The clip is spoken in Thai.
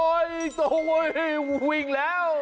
โอ้ยตรงไหนวิ่งแล้ว